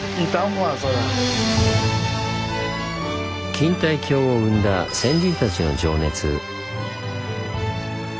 錦帯橋を生んだ先人たちの情熱。